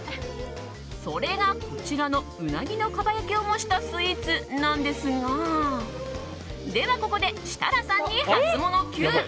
それが、こちらのうなぎのかば焼きを模したスイーツなんですがではここで設楽さんにハツモノＱ！